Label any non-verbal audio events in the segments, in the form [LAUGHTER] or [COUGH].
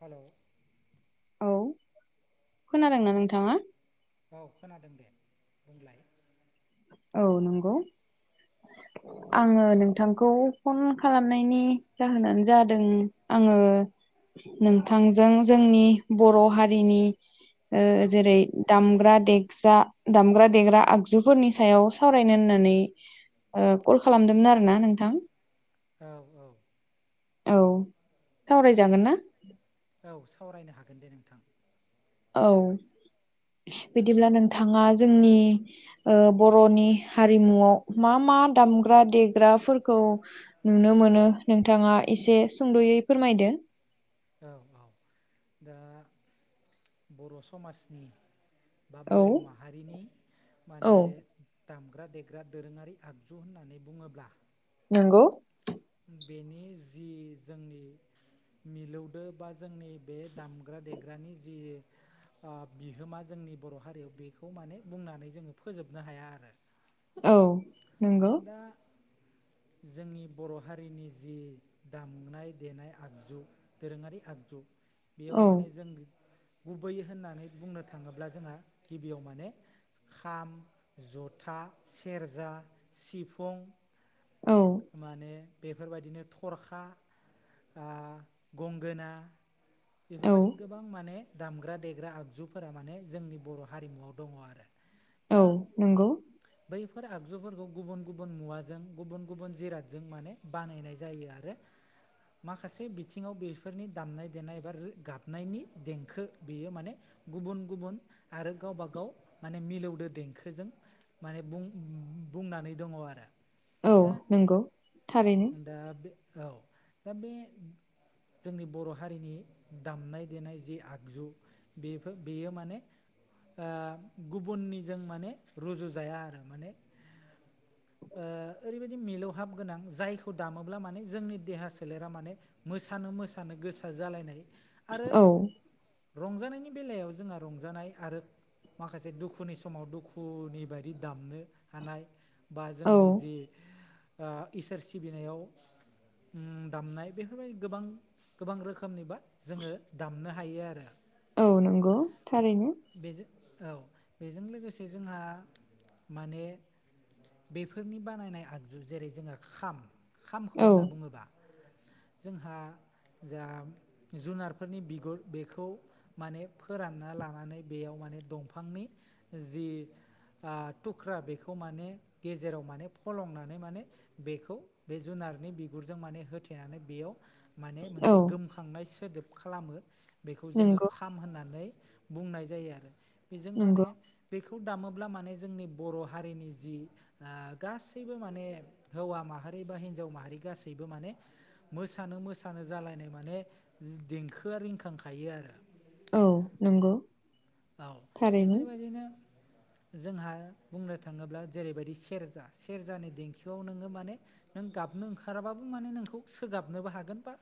हेल' औ औ खोनादोंना नोंथाङा औ खोनादों दे बुंलाय औ नंगौ आङो नोंथांखौ फन खालामनायनि जाहोनानो जादों आङो नोंथांजों जोंनि बर' हारिनि औ जेरै दामग्रा देगजा दामग्रा देग्रा आगजुफोरनि सायाव सावरायनो होननानै कल खालामदोंमोन आरोना नोंथां औ औ औ सावरायजागोन ना औ सावरायनो हागोन दे नोंथां औ बिदिब्ला नोंथाङा जोंनि औ बर'नि हारिमुआव मा मा दामग्रा देग्राफोरखौ नुनो मोनो नोंथाङा एसे सुंद'यै फोरमायदो औ औ दा बर' समाजनि बा औ बर' माहारिनि औ माने दामग्रा देग्रा दोरोङारि आगजु होननानै बुङोब्ला नोंगौ बेनि जि जोंनि मिलौदो बा जोंनि बे दामग्रा देग्रानि जि ओ बिहोमा जोंनि बर' हारियाव बेखौ माने बुंनानै जोङो फोजोबनो हायाआरो। औ नंगौ दा जोंनि बर' हारिनि जि दामनाय देनाय आगजु दोरोङारि आगजु बेयाव औ माने जों गुबै होननानै बुंनो थाङोब्ला जोंहा गिबियाव माने खाम जथा सेरजा सिफुं। औ। माने बेफोरबायदिनो थरखा ओ गंगोना औ बेफोरबायदि गो बां माने दामग्रा देग्रा आगजुफोरा माने जोंनि बर' हारिमुआव दङआरो। औ नंगौ। बैफोर आगजुफोरखौ गुबुन गुबुन मुवाजों गुबुन गुबुन जिरादजों जों माने बानायनाय जायो आरो। माखासे बिथिङाव बेफोरनि दामनाय देनाय एबा रो गाबनायनि देंखो बेयो माने गुबुन गुबुन आरो गावबा गाव माने मिलौदो देंखोजों माने बुं-बुंनानै दङ आरो। औ दा नंगौ थारैनो। दा बे औ दा बे जोंनि बर' हारिनि दामनाय देनाय जे आगजु बेफो बेयो माने ओ गुबुननिजों माने रुजु जाया आरो माने ओ ओरैबायदि मिलौहाब गोनां जायखौ दामोब्ला माने जोंनि देहा सोलेरा माने मोसानो मोसानो गोसोआ जालायनाय आरो औ रंजानायनि बेलायाव जोंहा रंजानाय आरो माखासे दुखुनि समाव दुखुनि बायदि दामनो हानाय बा औ जोंनि जि ओ इसोर सिबिनायाव उम दामनाय बेफोरबायदि गोबां गोबां रोखोमनि बा जोङो दामनो हायो आरो। औ नंगौ थारैनो। बेजो औ बेजों लोगोसे जोंहा माने बेफोरनि बानायनाय आग जु जेरै जोङो खाम खामखौ औ होनना बुंङोबा जोंहा जा जुनारफोरनि बिगुर बेखौ माने फोरानना लानानै बेयाव माने दंफांनि जि ओ थुख्रा बेखौ माने गेजेराव माने फलंना नै माने बेखौ बे जुनारनि बिगुरजों माने होथेनानै बेयाव माने औ मोनसे गोमखांनाय सोदोब खालामो बेखौ जोङो नंगौ खाम होननानै बुंनाय जायो आरो बेजों माने नंगौ बेखौ दामोब्ला माने जोंनि बर' हारिनि जि ओ गासै बो माने हौवा माहारि बा हिनजाव माहारि गासैबो माने मोसानो मोसानो जालायनाय माने जि देंखोआ रिंखांखायो आरो। औ नंगौ। औ थारैनो बेफोरबायदिनो जोंहा बुंनो थाङोब्ला जेरैबायदि सेरजा सेरजानि देंखोआव नोङो माने नों गाबनो ओंखाराबाबो माने नोंखौ सोगाबनोबो हागोन बा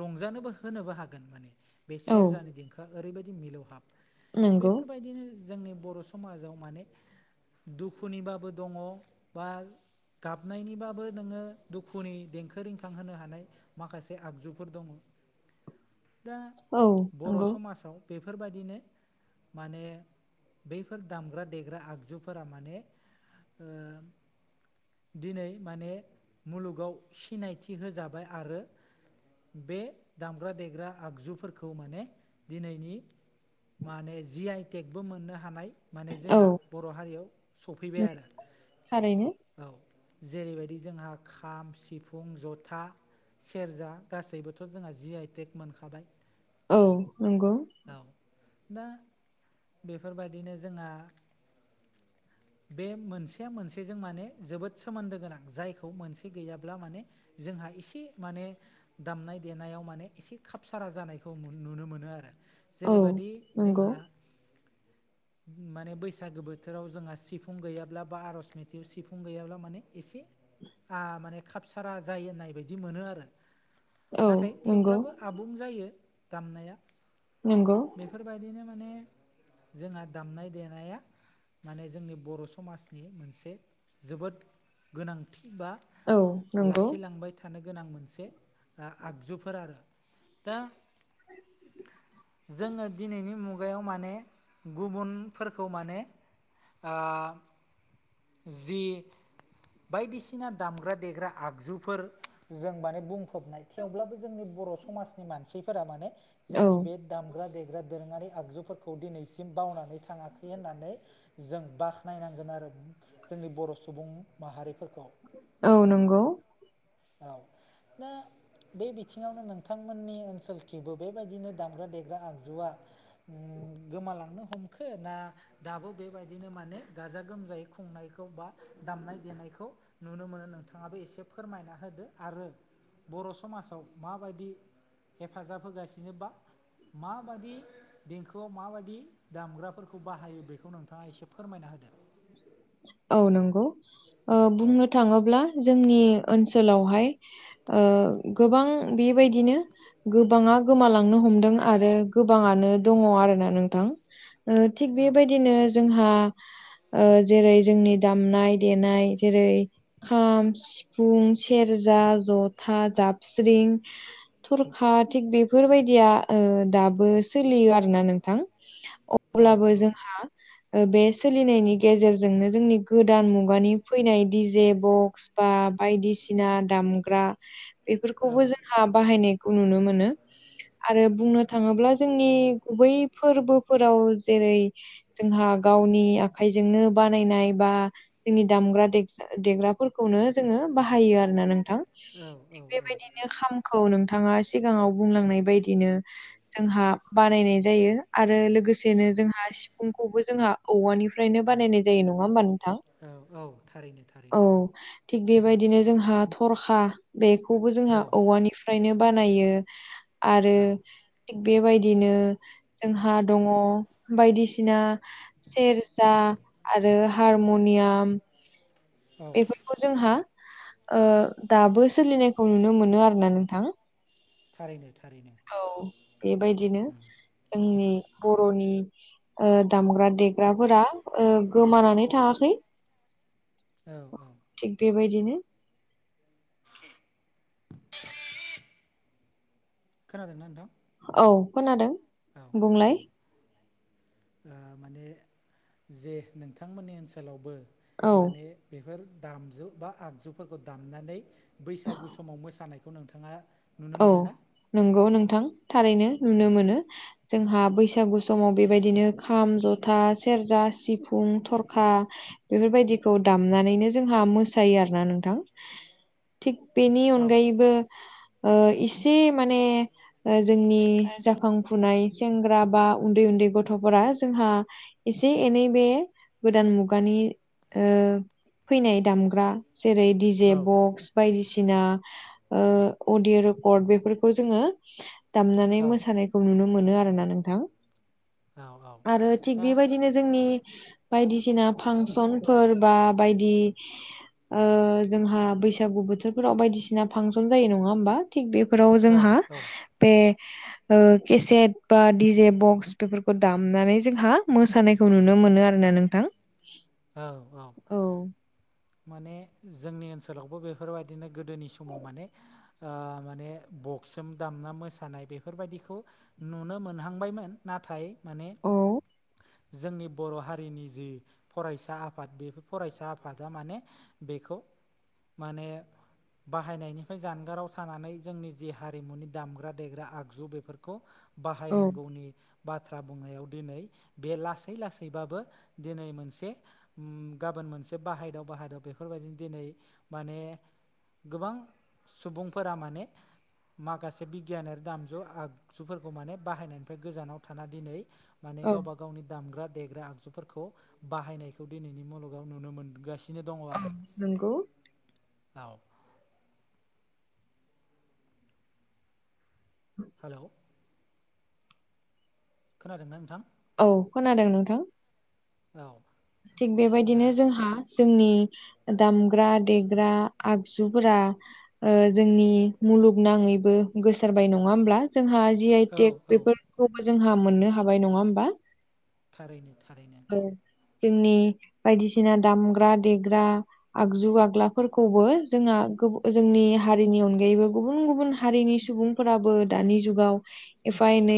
रंजानोबो होनोबो हागोन माने बे औ सेरजानि देंखोआ ओरैबायदि मिलौहाब। नंगौ बेफोरबायदिनो जोंनि बर' समाजाव माने दुखुनिबाबो दङ बा गाबनायनिबाबो नोङो दुखुनि देंखो रिंखां होनो हानाय माखासे आगजुफोर दङ। [INAUDIBLE] दा औ बर' नंगौ समाजाव बेफोरबायदिनो माने बैफोर दामग्रा देग्रा आगजुफोरा माने ओ दिनै माने मुलुगाव सिनायथि होजाबाय आरो बे दामग्रा देग्रा आगजुफोरखौ माने दिनैनि माने जि आइ टेकबो मोननो हानाय‌ माने औ जोंहा बर' हारियाव सफैबाय आरो। थारैनो औ जेरैबायदि जोंहा खाम, सिफुं, जथा, सेरजा गासैबोथ' जोंहा जि आइ टेक मोनखाबाय। औ नंगौ। औ दा बेफोरबायदिनो जोंहा [INAUDIBLE] बे मोनसेया मोनसेजों माने जोबोद सोमोन्दो गोनां जायखौ मोनसे गैयाब्ला माने जोंहा एसे माने दामनाय देनायाव माने एसे खपसारा जानायखौ नु-नुनो मोनो आरो। औ जेरैबादि नंगौ जोंहा माने बैसागो बोथोराव जोंहा सिफुं गैयाब्ला बा आर'ज मेथाइआव सिफुं गैयाब्ला माने एसे ओ माने खापसारा जायो होननाय बायदि मोनो आरो। औ नाथाय नंगौ थेवब्लाबो आबुं जायो दामनाया। नोंगौ। बेफोरबायदिनो माने जोंहा दामनाय देनाया माने जोंनि बर' समाजनि मोनसे जोबोद गोनांथि बा औ नंगौ लाखिलांबाय थानो गोनां मोनसे आगजुफोर आरो। दा जोङो दिनैनि मुगायाव माने गुबुनफोरखौ माने आ जि बायदिसिना दामग्रा देग्रा आगजुफोर जों माने बुंफबनाय थेवब्लाबो जोंनि बर' समाजनि मानसिफोरा माने औ जोंनि बे दामग्रा देग्रा दोरोङारि आगजुफोरखौ दिनैसिम बावनानै थाङाखै होननानै जों बाखनायनांगोन आरो। जोंनि बर' सुबुं माहारिफोरखौ औ नंगौ औ। [UNINTELLIGIBLE] बे बिथिङावनो नोंथांमोननि ओनसोलथिबो बेबायदिनो दामग्रा देग्रा आगजुआ ओम गोमालांनो हमखो ना, दाबो बेबायदिनो माने गाजा गोमजायै खुंनायखौ बा दामनाय देनायखौ नुनो मोनो नोंथाङाबो एसे फोरमायना होदो आरो बर' समाजाव माबायदि हेफाजाब होगासिनो बा माबादि देंखोआव माबायदि दामग्राफोरखौ बाहायो बेखौ नोंथाङा एसे फोरमायना होदो। औ नंगौ ओ औ बुंनो थाङोब्ला जोंनि ओनसोलावहाय ओ गोबां बेबायदिनो गोबाङा गोमालांनो हमदों आरो गोबाङानो दङ आरो ना नोंथां। ओ थिग औ बेबायदिनो जोंहा ओ जेरै जोंनि दामनाय देनाय जेरै खाम, सिफुं, सेरजा, जथा, जाबस्रिं, थरखा थिग बेफोरबायदिया ओ दाबो सोलियो आरोना नोंथां। औ अब्लाबो जोंहा बे सोलिनायनि गेजेरजोंनो जोंनि गोदान मुगानि फैनाय डि जे बक्स बा बायदिसिना दामग्रा बेफोरखौबो जों हा बाहायनायखौ नुनो मोनो। आरो बुंनो थाङोब्ला जोंनि गुबै फोरबोफोराव जेरै जोंहा गावनि आखाइजोंनो बानायनाय बा जोंनि दामग्रा दे-देग्राफोरखौनो जोङो बाहायो आरो ना नोंथां। औ औ औ। बे खामखौ नोंथाङा सिगाङाव बुंलांनाय बायदिनो जोंहा बानायनाय जायो आरो लोगोसे दिनो औ जोंहा सिफुंखौबो जोंहा औवानिफ्रायनो बानायनाय जायो नङा होमबा नोंथां? औ औ थारैनो औ थारैनो थिग बेबायदिनो जोंहा थरखा बेखौबो जोंहा औ औवानि फ्रायनो बानायो आरो औ थिग बेबायदिनो जोंहा दङ बायदिसिना सेरजा आरो हारमनियाम औ एफोरखौ जोंहा ओ दाबो सोलिनायखौ नुनो मोनो आरोना नोंथां। थारैनो थारैनो। औ। बेबायदिनो जोंनि बर'नि ओ दामग्रा देग्राफोरा ओ गोमानानै थाङाखै। औ औ थिग बेबायदिनो खोनादोंना नोंथां औ खोनादों औ बुंलाय औ ओ माने जे नोंथांमोननि ओनसोलावबो औ माने बेफोर दामजु बा आगजुफोरखौ दामनानै बैसागु समाव मोसानायखौ नोंथाङा नुनो औ मोनो ना नंगौ नोंथां थारैनो नुनो औ मोनो। जोंहा बैसागु समाव बेबायदिनो खाम जथा सेरजा सिफुं थरखा बेफोरबायदिखौ दामनानैनो जोंहा मोसायो आरो ना नोंथां। थिक बेनि औ अनगायैबो ओ इसे माने ओ जोंनि जाखां फुनाय सेंग्रा बा उन्दै उन्दै गथ'फोरा जोंहा एसे एनै बे गोदान मुगानि ओ फैनाय दामग्रा जेरै डि जे औ बक्स बायदिसिना ओ अदिअ' रेकर्ड बेफोरखौ जोङो दामनानै मोसानाय खौ नुनो मोनो आरोना नोंथां औ आरो थिक दा बेबायदिनो जोंनि बायदिसिना फांसनफोर बा बायदि ओ जोंहा बैसागु बोथोरफोराव बायदिसिना फांसन जायो नङा होनबा थिग बेफोराव औ जोंहा औ बे ओ केसेट बा डिजे बक्स बेफोरखौ दामनानै जोंहा मोसानाय खौ नुनो मोनो आरोना नोंथां। औ औ औ माने जोंनि ओनसोलावबो बेफोरबायदिनो गोदोनि समाव माने ओ माने बक्सोम दामना मोसानाय बेफोरबायदिखौ नुनो मोनहांबायमोन नाथाय माने औ जोंनि बर' हारिनि जि फरायसा आफाद बेफोर फरायसा आफाद दा माने बेखौ माने बाहायनायनिफ्राय जानगाराव थानानै जोंनि जि हारिमुनि दामग्रा देग्रा आगजु बेफोरखौ औ बाहायनांगौनि बाथ्रा बुंनायाव दिनै बे लासै लासैबाबो दिनै मोनसे उम गाबोन मोनसे बाहायदाव बाहायदाव बेफोरबायदिनो दिनै माने गोबां सुबुंफोरा माने माखासे बिगियानारि दामजु आगजुफोरखौ माने बाहायनायनिफ्राय गोजानाव थाना दिनै माने औ गावबा गावनि दामग्रा देग्रा आगजुफोरखौ बाहायनायखौ दिनैनि मुलुगाव नुनो मोनगासिनो। बिदिनो दङ औ आरो नंगौ औ हेल' खोनादोंना नोंथां औ खोनादों नोंथां। औ थिग दा बेबायदिनो जोंहा जोंनि दामग्रा-देग्रा आगजुफोरा ओ जोंनि मुलुग नाङैबो गोसारबाय नङा होमब्ला। जोंहा जि औ आइटेक औ बेफोरखौबो जोंहा मोननो हाबाय नङा होमबा। थारैनो थारैनो ओ जोंनि बायदिसिना दामग्रा देग्रा आगजु आग्लाफोरखौबो जोंहा गोबु जोंनि हारिनि अनगायैबो गुबुन गुबुन हारिनि सुबुं फोराबो दानि जुगाव एफा एनै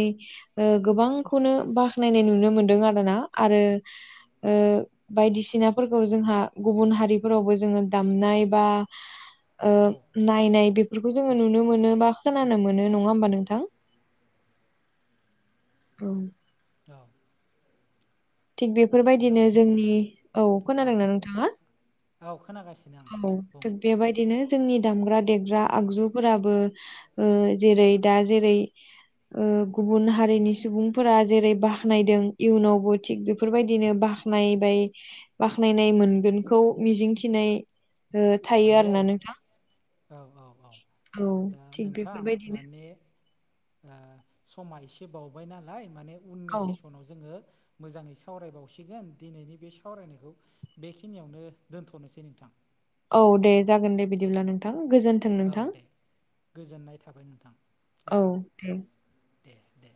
ओ गोबांखौनो बाखनायनाय नुनो मोनदों आरोना आरो ओ बायदिसिनाफोरखौ जोंहा गुबुन हारिफोरावबो जोङो दामनाय बा ओ औ नायनाय बेफोरखौ जोङो नुनो मोनो बा खोनानो मोनो नङा होमबा नोंथां। औ औ थिग हेलौ बेफोरबायदिनो जोंनि औ खोनादोंना नोंथाङा औ खोनागासिनो आं औ बुं थिग बेबायदिनो जोंनि दामग्रा-देेरग्रा आगजुफोराबो ओ जेरै दा जेरै ओ गुबुन हारिनि सुबुंफोरा जेरै बाख्नायदों इयुनावबो थिग बेफोरबायदिनो बाख्नाय बाय बाख्नायनाय मोनगोनखौ मिजिंथिनाय ओ थायो हायो आरोना आरो नोंथां औ औ औ औ दा थिग नोंथां बेफोरबायदिनो माने ओ समा एसे बावबाय नालाय माने उननि औ सेसनाव जोङो मोजाङै सावरायबावसिगोन दिनैनि बे सावरायनायखौ बेखिनियावनो दोनथ'नोसै नोंथां। औ दे जागोन दे बिदिब्ला नोंथां गोजोन औ दे गोजोननाय थाबाय नोंथां औ दे दे